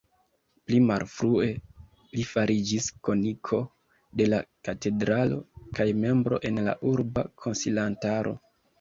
Pli malfrue li fariĝis kanoniko de la katedralo, kaj membro en la Urba Konsilantaro.